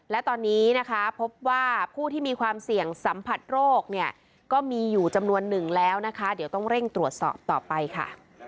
และตอนนี้นะคะพบว่าผู้ที่มีความเสี่ยงสัมผัสโรคเนี่ยก็มีอยู่จำนวนหนึ่งแล้วนะคะเดี๋ยวต้องเร่งตรวจสอบต่อไปค่ะ